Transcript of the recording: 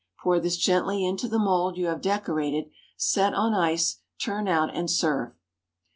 Pour this gently into the mould you have decorated, set on ice, turn out and serve.